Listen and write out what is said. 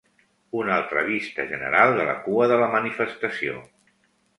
Una altra vista general de la cua de la manifestació.